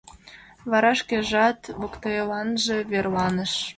Вара шкежат воктеланже верланыш.